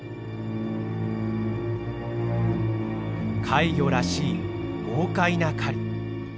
怪魚らしい豪快な狩り。